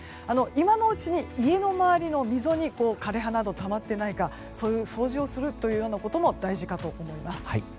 今のうちに家の周りの溝に枯れ葉などたまっていないか掃除をするということも大事かと思います。